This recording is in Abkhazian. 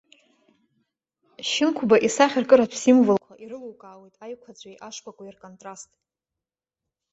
Шьынқәба исахьаркыратә символқәа ирылукаауеит аиқәаҵәеи ашкәакәеи рконтраст.